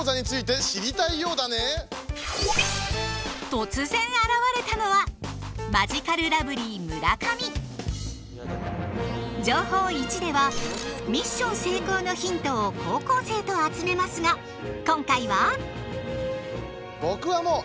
突然現れたのは「情報Ⅰ」ではミッション成功のヒントを高校生と集めますが今回は？